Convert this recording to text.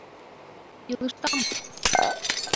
— Илыштам...